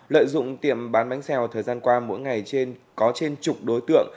lợi dụng tiệm bán bánh xèo thời gian qua mỗi ngày trên có trên chục đối tượng